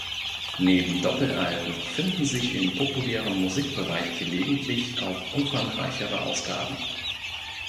Neben Doppelalben finden sich im populären Musikbereich gelegentlich auch umfangreichere Ausgaben.